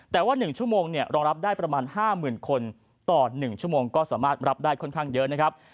แต่ว่า๑ชั่วโมงรองรับได้ประมาณ๕๐๐๐คนต่อ๑ชั่วโมงก็สามารถรับได้ค่อนข้างเยอะนะครับ